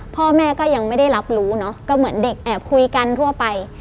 พ่อแม่ก็ยังไม่ได้รับรู้เนอะก็เหมือนเด็กแอบคุยกันทั่วไป